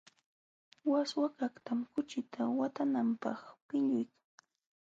Waskakaqtam kuchita watananapaq pilluyka.